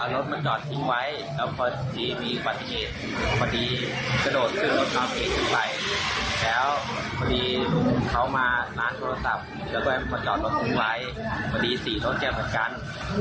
แล้วก็ไปร่านแจ้งเค้าแล้วพอศัพท์หน่อยเนี่ย